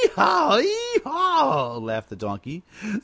laughed the Donkey.